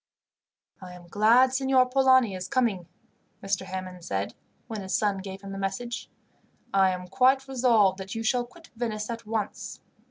"I am glad Signor Polani is coming," Mr. Hammond said, when his son gave him the message. "I am quite resolved that you shall quit Venice at once.